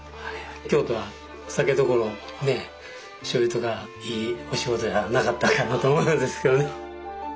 京都は酒どころしょうゆとかいいお仕事じゃなかったかなと思うんですけどね。